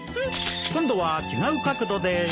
今度は違う角度で。